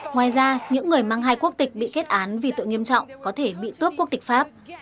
ngoài ra những người mang hai quốc tịch bị kết án vì tội nghiêm trọng có thể bị tuước quốc tịch pháp